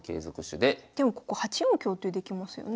でもここ８四香ってできますよね。